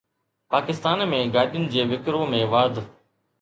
پاڪستان ۾ گاڏين جي وڪرو ۾ واڌ